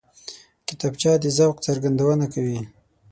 کتابچه د ذوق څرګندونه کوي